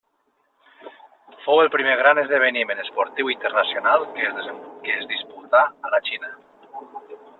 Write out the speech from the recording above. Fou el primer gran esdeveniment esportiu internacional que es disputà a la Xina.